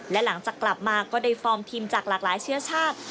และหลังจากกลับมาก็ได้ฟอร์มทีมจากหลากหลายเชื้อชาติ